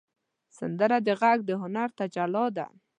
سندره د غږ د هنر تجلی ده